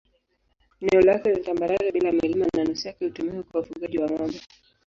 Eneo lake ni tambarare bila milima na nusu yake hutumiwa kwa ufugaji wa ng'ombe.